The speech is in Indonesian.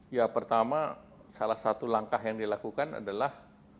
ya pertama salah satu langkah yang dilakukan adalah